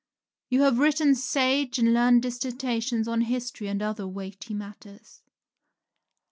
You have written sage and learned dissertations on history and other weighty matters.